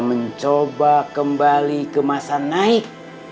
mencoba kembali ke masa naik